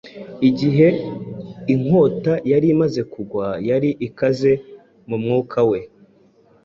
Igihe inkota yari imaze kugwa yari ikaze mu mwuka we